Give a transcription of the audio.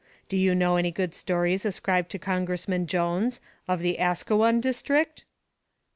Do you know any good stories ascribed to Congressman Jones, of the Asquewan district?"